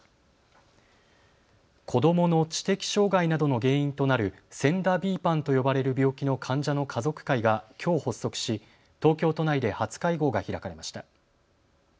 子どもの知的障害などの原因となるＳＥＮＤＡ／ＢＰＡＮと呼ばれる病気の患者の家族会がきょう発足し東京都内で初会合が開かれました。